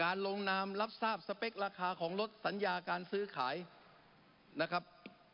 ลงนามรับทราบสเปคราคาของลดสัญญาการซื้อขายนะครับ